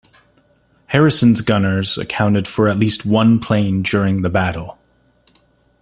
"Harrison"'s gunners accounted for at least one plane during the battle.